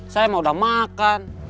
saya mau udah makan